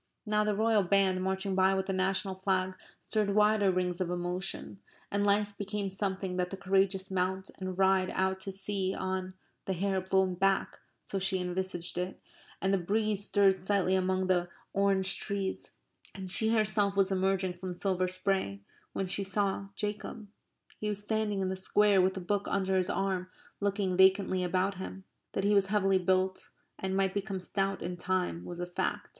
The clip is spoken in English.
Now the royal band marching by with the national flag stirred wider rings of emotion, and life became something that the courageous mount and ride out to sea on the hair blown back (so she envisaged it, and the breeze stirred slightly among the orange trees) and she herself was emerging from silver spray when she saw Jacob. He was standing in the Square with a book under his arm looking vacantly about him. That he was heavily built and might become stout in time was a fact.